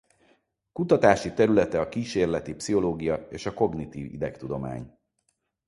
Kutatási területe a kísérleti pszichológia és a kognitív idegtudomány.